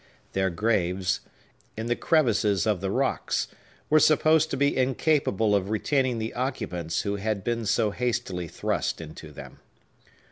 Their graves, in the crevices of the rocks, were supposed to be incapable of retaining the occupants who had been so hastily thrust into them.